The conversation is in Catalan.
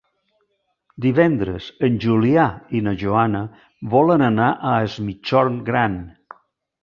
Divendres en Julià i na Joana volen anar a Es Migjorn Gran.